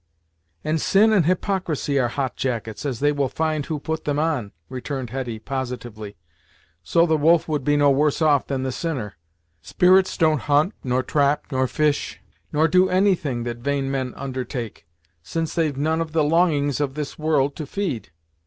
"And sin and hypocrisy are hot jackets, as they will find who put them on," returned Hetty, positively, "so the wolf would be no worse off than the sinner. Spirits don't hunt, nor trap, nor fish, nor do anything that vain men undertake, since they've none of the longings of this world to feed.